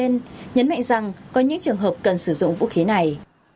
nhân mệnh rằng có những trường hợp cần sử dụng vũ khí này